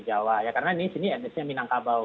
jawa ya karena ini disini adresnya minangkabau